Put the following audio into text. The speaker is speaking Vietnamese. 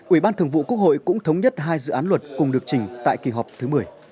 ủy ban thường vụ quốc hội cũng thống nhất hai dự án luật cùng được trình tại kỳ họp thứ một mươi